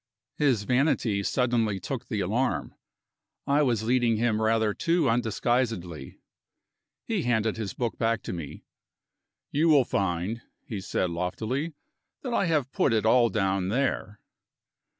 His vanity suddenly took the alarm I was leading him rather too undisguisedly. He handed his book back to me. "You will find," he said loftily, "that I have put it all down there."